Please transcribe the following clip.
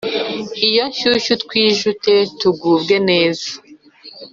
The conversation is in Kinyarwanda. Iyo nshyushyu twijute tugubwe neza.